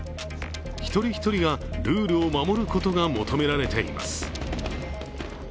一人一人がルールを守ることが求められています。